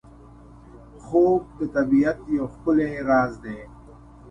خوب د طبیعت یو ښکلی راز دی